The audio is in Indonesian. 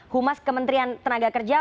humas kementerian tenaga kerja